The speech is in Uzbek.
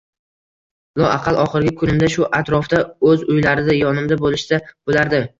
Loaqal oxirgi kunimda shu atrofda – o‘z uylarida, yonimda bo‘lishsa bo‘lardi